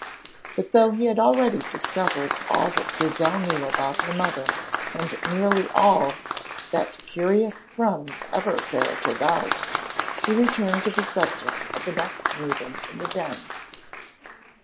But though he had already discovered all that Grizel knew about her mother and nearly all that curious Thrums ever ferreted out, he returned to the subject at the next meeting in the Den.